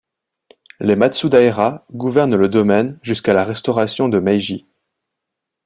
Les Matsudaira gouvernent le domaine jusqu'à la restauration de Meiji.